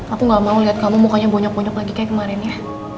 aku gak mau lihat kamu mukanya bonyok bonyok lagi kayak kemarin ya